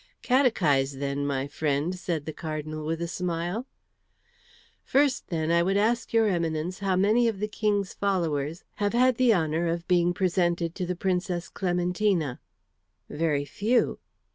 "Catechise, then, my friend," said the Cardinal, with a smile. "First, then, I would ask your Eminence how many of the King's followers have had the honour of being presented to the Princess Clementina?" "Very few."